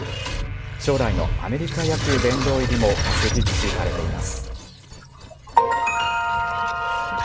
将来のアメリカ野球殿堂入りも確実視されています。